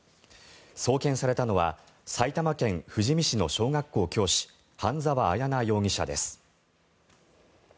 送検されたのは埼玉県富士見市の小学校教師半澤彩奈容疑者です。